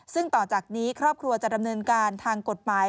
ซึ่งต่อจากนี้ครอบครัวจะดำเนินการทางกฎหมาย